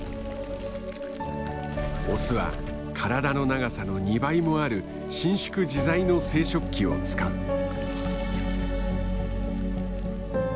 オスは体の長さの２倍もある伸縮自在の生殖器を使う。